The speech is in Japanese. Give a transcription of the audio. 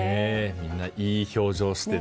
みんな、いい表情をしてね。